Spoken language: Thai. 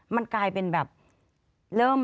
มันกลายเป็นแบบเริ่ม